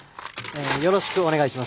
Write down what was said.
よろしくお願いします。